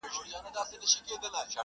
• نر اوښځي ټول له وهمه رېږدېدله -